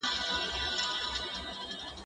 سيان د پلورونکي له خوا پلورل کيږي،